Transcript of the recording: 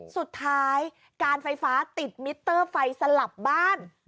สุดท้ายการไฟฟ้าติดมิเตอร์ไฟสลับบ้าน